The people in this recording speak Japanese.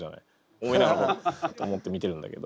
思いながらと思って見てるんだけど。